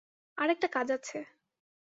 আর একটা কাজ আছে।